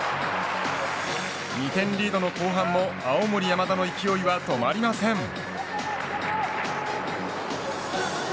２点リードの後半も青森山田の勢いは止まりません。